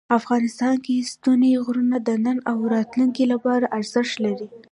افغانستان کې ستوني غرونه د نن او راتلونکي لپاره ارزښت لري.